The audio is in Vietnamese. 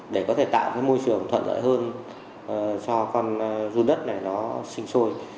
để có thể tạo cái môi trường thuận lợi hơn cho con run đất này nó sinh sôi